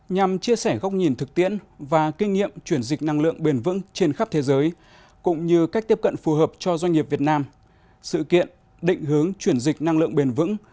nhằm chia sẻ góc nhìn thực tiễn và kinh nghiệm chuyển dịch năng lượng bền vững trên khắp thế giới cũng như cách tiếp cận phù hợp cho doanh nghiệp việt nam sự kiện định hướng chuyển dịch năng lượng bền vững